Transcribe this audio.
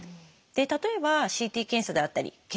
例えばＣＴ検査であったり血液検査